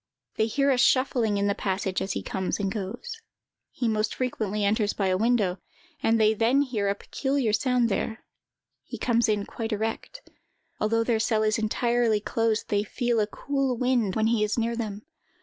They hear a shuffling in the passage as he comes and goes. He most frequently enters by the window, and they then hear a peculiar sound there. He comes in quite erect. Although their cell is entirely closed, they feel a cool wind when he is near them.